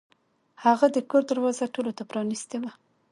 هغه د کور دروازه ټولو ته پرانیستې وه.